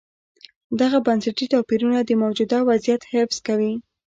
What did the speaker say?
دغه بنسټي توپیرونه د موجوده وضعیت حفظ کوي.